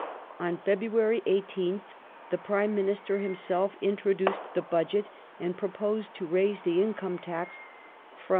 On February 18th the Prime Minister himself introduced the Budget and proposed to raise the income tax from 7d.